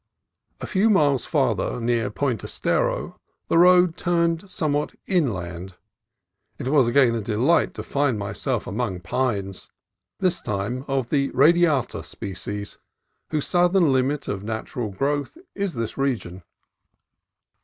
A few miles farther, near Point Estero, the road turned somewhat inland. It was again a delight to find myself among pines, this time of the radiata species, whose southern limit of natural growth is THE TOWN OF CAMBRIA 161 this region.